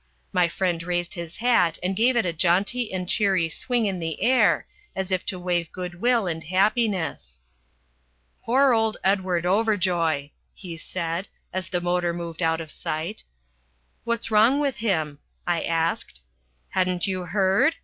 My friend raised his hat and gave it a jaunty and cheery swing in the air as if to wave goodwill and happiness. "Poor old Edward Overjoy!" he said, as the motor moved out of sight. "What's wrong with him?" I asked. "Hadn't you heard?"